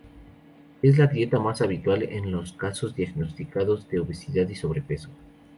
Es la dieta más habitual en los casos diagnosticados de obesidad y sobrepeso.